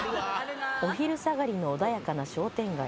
お昼下がりの穏やかな商店街。